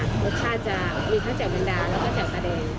รสชาติจะมีทั้งเจ๋วแมงดาแล้วก็เจ๋วทะเล